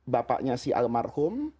bapaknya si almarhum